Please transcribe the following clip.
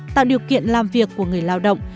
tạo điều kiện làm việc của người lao động